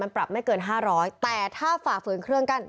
มันปรับไม่เกิน๕๐๐บาทแต่ถ้าฝ่าฝืนเครื่องการ